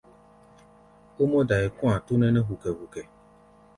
Ó mɔ́-dai kɔ̧́-a̧ tó nɛ́nɛ́ hukɛ-hukɛ.